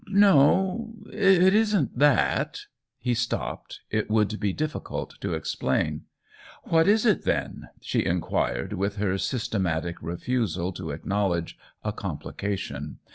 "No, it isn't that." He stopped — it would be difficult to explain. " What is it, then ?" she inquired, with her systematic refusal to acknowledge a complication.